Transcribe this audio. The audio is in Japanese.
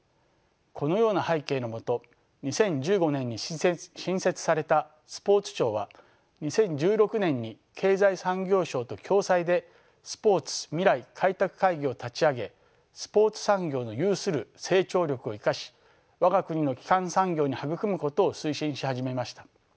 このような背景のもと２０１５年に新設されたスポーツ庁は２０１６年に経済産業省と共催でスポーツ未来開拓会議を立ち上げスポーツ産業の有する成長力を生かし我が国の基幹産業に育むことを推進し始めました。